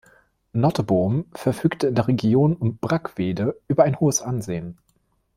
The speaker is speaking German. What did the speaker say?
Nottebohm verfügte in der Region um Brackwede über ein hohes Ansehen.